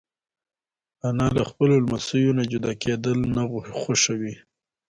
انا له خپلو لمسیو نه جدا کېدل نه خوښوي